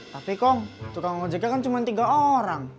tapi kong tukang ojaknya kan cuma tiga orang